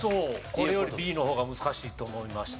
これよりＢの方が難しいと思いました。